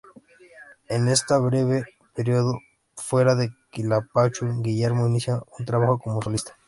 En este breve período fuera de Quilapayún, Guillermo inicia un trabajo como solista.